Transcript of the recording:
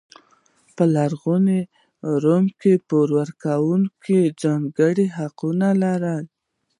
په لرغوني روم کې پور ورکوونکو ځانګړي حقونه لرل.